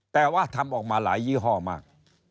แต่ว่าทำออกมาหลายยี่ห้อมาก